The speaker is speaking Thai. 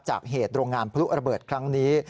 จากเหตุโรงงานพลุระเบิดครั้งนี้